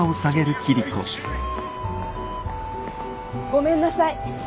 ごめんなさい。